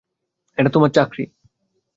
এটা তোমার চাকরি।